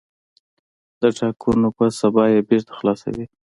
د ټاکنو په سبا یې بېرته خلاصوي.